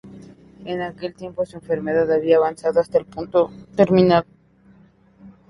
En aquel tiempo su enfermedad había avanzado hasta el punto terminal.